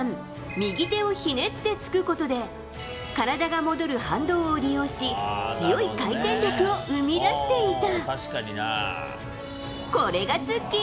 右手をひねってつくことで体が戻る反動を利用し強い回転力を生み出していた。